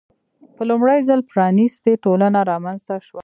په لومړي ځل پرانیستې ټولنه رامنځته شوه.